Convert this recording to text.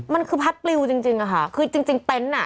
มันคือผัดปริวจริงคือเป็นอ่ะ